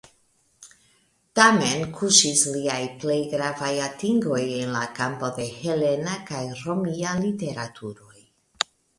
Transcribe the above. Tamen kuŝis liaj plej gravaj atingoj en la kampo de helena kaj romia literaturoj.